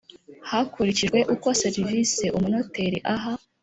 hakurikijwe uko servisi umunoteri aha